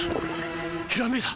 ひらめいた！